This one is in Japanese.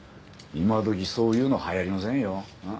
今どきそういうの流行りませんよ。なあ？